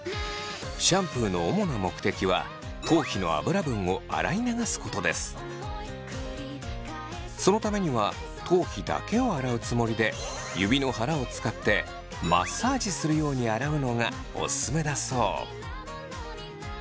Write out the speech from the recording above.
シャンプーの主な目的はそのためには頭皮だけを洗うつもりで指の腹を使ってマッサージするように洗うのがオススメだそう。